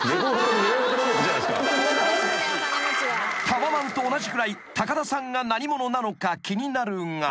［タワマンと同じくらい田さんが何者なのか気になるが］